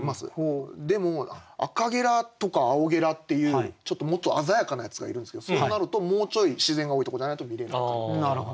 でもアカゲラとかアオゲラっていうもっと鮮やかなやつがいるんですけどそうなるともうちょい自然が多いとこじゃないと見れなかったり。